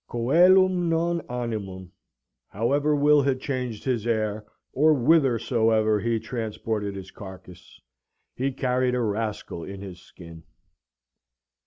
Coelum non animum. However Will had changed his air, or whithersoever he transported his carcase, he carried a rascal in his skin.